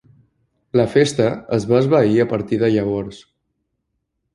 La festa es va esvair a partir de llavors.